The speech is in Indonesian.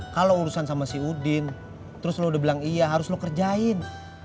kalau urusan sama si udin terus lo udah bilang iya harus lo kerjain